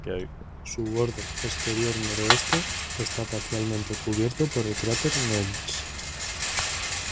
Su borde exterior noroeste está parcialmente cubierto por el cráter Nernst.